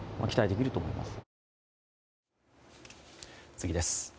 次です。